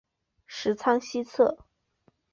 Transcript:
十仓西侧。